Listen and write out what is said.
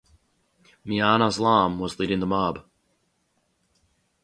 Mian Aslam was leading the mob.